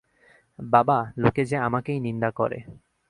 বাবা, লোকে যে আমাকেই নিন্দা করে।